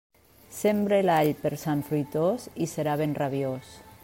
Sembre l'all per Sant Fruitós i serà ben rabiós.